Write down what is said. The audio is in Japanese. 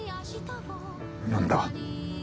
何だ？